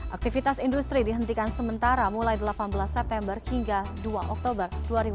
aktivitas industri dihentikan sementara mulai delapan belas september hingga dua oktober dua ribu dua puluh